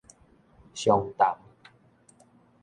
相談